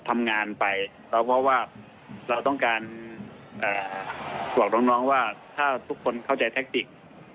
ทำงานไปแล้วเพราะว่าเราต้องการบอกน้องว่าถ้าทุกคนเข้าใจแท็กติก